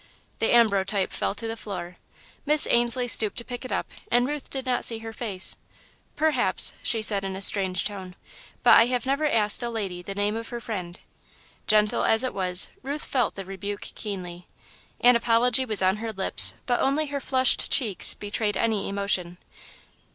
The ambrotype fell to the floor. Miss Ainslie stooped to pick it up and Ruth did not see her face. "Perhaps," she said, in a strange tone, "but I never have asked a lady the name of her friend." Gentle as it was, Ruth felt the rebuke keenly. An apology was on her lips, but only her flushed cheeks betrayed any emotion.